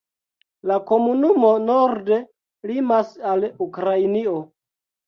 La komunumo norde limas al Ukrainio.